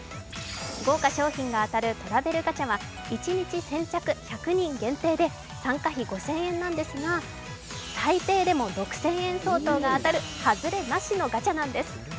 豪華賞品が当たるトラベルガチャは１日先着１００人限定で参加費５０００円なんですが、最低でも６０００円相当が当たる、外れなしのガチャなんです。